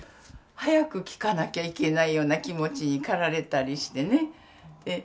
早くきかなきゃいけないような気持ちに駆られたりしてね。